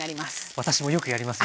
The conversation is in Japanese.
私もよくやります